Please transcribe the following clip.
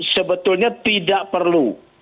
sebetulnya tidak perlu